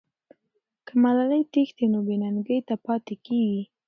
که ملالۍ تښتي، نو بې ننګۍ ته پاتې کېږي.